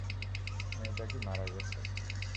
মেয়েটা কি মারা গেছে?